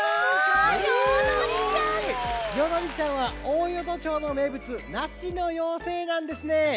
どりちゃんは大淀町のめいぶつなしのようせいなんですね。